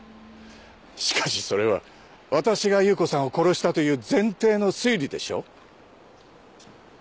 しかしそれはわたしが夕子さんを殺したという前提の推理でしょ？